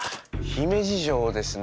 姫路城ですね。